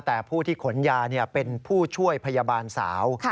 แต่ผู้ที่ขนยาเป็นผู้ช่วยพยาบาลสาว